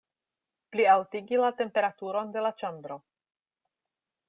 Plialtigi la temperaturon de la ĉambro!